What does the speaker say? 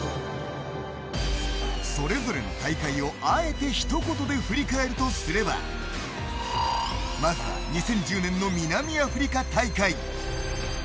それぞれの大会をあえて一言で振り返るとすればまずは２０１０年の南アフリカ大会。